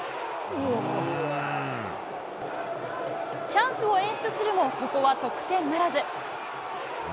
チャンスを演出するも、ここは得点ならず。